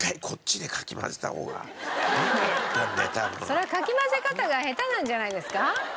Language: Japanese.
それはかき混ぜ方が下手なんじゃないですか？